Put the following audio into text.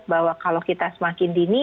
bahwa kalau kita semakin dini